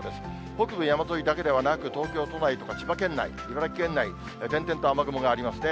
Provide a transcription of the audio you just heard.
北部山沿いだけではなく、東京都内とか千葉県内、茨城県内、点々と雨雲がありますね。